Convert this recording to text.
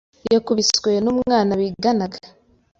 Yakubiswe n’umwana biganaga